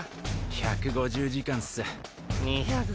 １５０時間っす２００